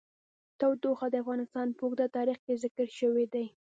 تودوخه د افغانستان په اوږده تاریخ کې ذکر شوی دی.